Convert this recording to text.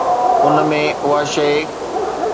ان ۾ اها شيءِ